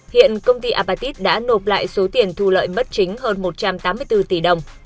hiện công ty apatit đã nộp lại số tiền thu lợi bất chính hơn một trăm tám mươi bốn tỷ đồng